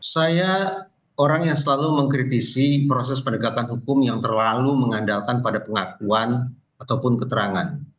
saya orang yang selalu mengkritisi proses penegakan hukum yang terlalu mengandalkan pada pengakuan ataupun keterangan